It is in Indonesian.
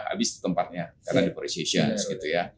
habis itu tempatnya karena deporisasi gitu ya